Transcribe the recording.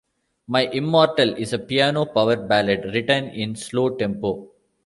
"My Immortal" is a piano power ballad written in slow tempo.